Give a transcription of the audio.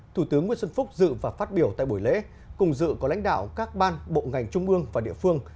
thủ tướng nguyễn xuân phúc dự và phát biểu tại buổi lễ cùng dự có lãnh đạo các ban bộ ngành trung ương và địa phương